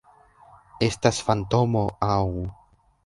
Estas fantomo aŭ...